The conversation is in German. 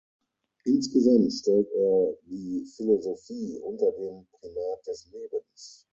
Insgesamt stellt er die Philosophie unter den Primat des Lebens.